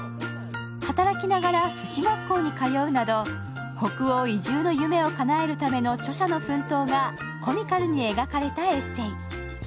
働きながらすし学校に通うなど、北欧移住の夢をかなえるための著者の奮闘がコミカルに描かれたエッセー。